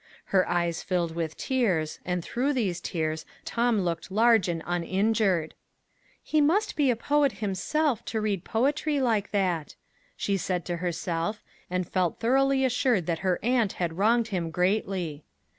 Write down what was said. Her eyes filled with tears, and through those tears Tom looked large and injured. "He must be a poet himself to read poetry like that!" she said to herself, and felt thoroughly assured that her aunt had wronged him greatly.